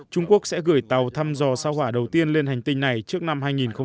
trung quốc sẽ gửi tàu thăm dò sao hỏa đầu tiên lên hành tinh này trước năm hai nghìn hai mươi